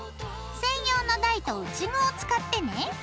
専用の台と打ち具を使ってね。